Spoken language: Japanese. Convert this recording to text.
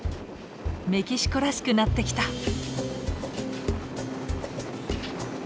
メキシコらしくなってきた！